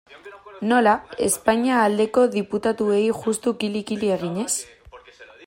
Nola, Espainia aldeko diputatuei juxtu kili-kili eginez?